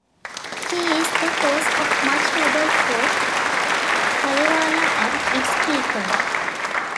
She is the cause of much trouble for Kalevala and its people.